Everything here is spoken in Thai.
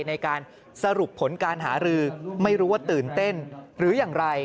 ในการสรุปผลการหารือไม่รู้ว่าตื่นเต้นหรืออย่างไร